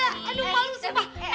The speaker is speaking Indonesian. aduh malu sumpah